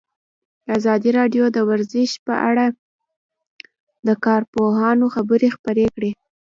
ازادي راډیو د ورزش په اړه د کارپوهانو خبرې خپرې کړي.